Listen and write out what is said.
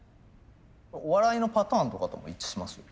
お笑いのパターンとかとも一致しますよ。